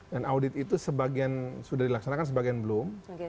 dan audit itu sudah dilaksanakan sebagian belum